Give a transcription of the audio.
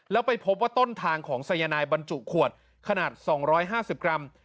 แล้วไปพบว่าต้นทางของสายนายบรรจุขวดขนาด๒๕๐กรัม